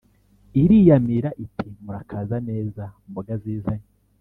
iriyamira iti: “murakaza neza mboga zizanye!